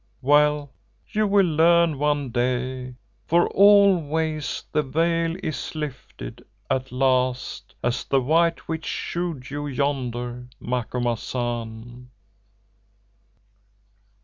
Well, you will learn one day, for always the veil is lifted, at last, as the White Witch shewed you yonder, Macumazahn."